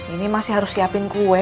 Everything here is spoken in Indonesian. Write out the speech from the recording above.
ini masih harus siapin kue